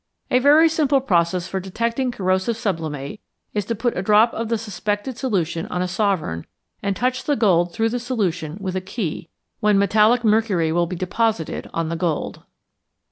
A very simple process for detecting corrosive sublimate is to put a drop of the suspected solution on a sovereign and touch the gold through the solution with a key, when metallic mercury will be deposited on the gold.